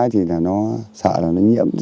thì nó sợ là nó nhiễm